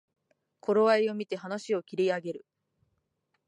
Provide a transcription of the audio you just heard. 頃合いをみて話を切り上げる